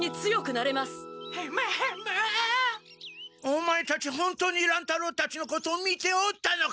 オマエたち本当に乱太郎たちのことを見ておったのか？